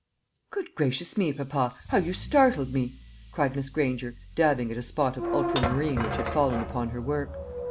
"Good gracious me, papa, how you startled me!" cried Miss Granger, dabbing at a spot of ultramarine which had fallen upon her work.